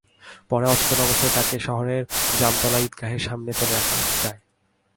পরে অচেতন অবস্থায় তাঁকে শহরের জামতলা ঈদগাহের সামনে ফেলে রেখে যায়।